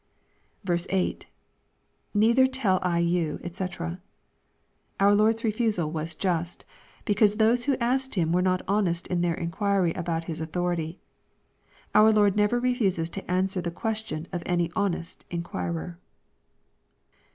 8. — [Neither teU I you^ <hc.] Our Lord's refusal was just, because those who asked him were not honest in their inquiry about His authonjty. Our Lord never refused to answer the question of any honest inquirer.